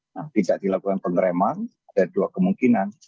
nah tidak dilakukan pengereman ada dua kemungkinan